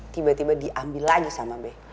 tiba tiba diambil lagi sama b